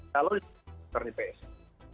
kalau di psa